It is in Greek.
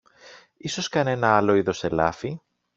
Ίσως κανένα άλλο είδος ελάφι;